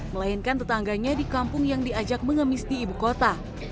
melainkan tetangganya di kampung yang diajak mengemis di ibu kota